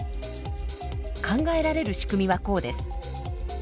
考えられる仕組みはこうです。